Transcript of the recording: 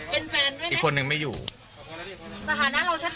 เป็นแฟนด้วยไหมอีกคนนึงไม่อยู่สถานะเราชัดเจนไหมว่าเราเป็นแฟนเขาครับ